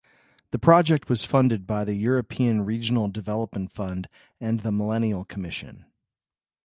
The project was funded by The European Regional Development Fund and the Millennium Commission.